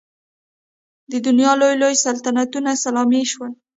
د دنیا لوی لوی سلطنتونه سلامي شول.